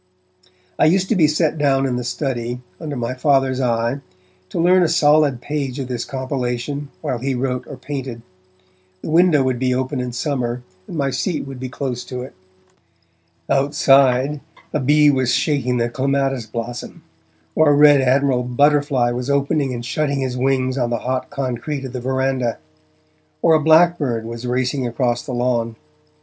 I used to be set down in the study, under my Father's eye, to learn a solid page of this compilation, while he wrote or painted. The window would be open in summer, and my seat was close to it. Outside, a bee was shaking the clematis blossom, or a red admiral butterfly was opening and shutting his wings on the hot concrete of the verandah, or a blackbird was racing across the lawn.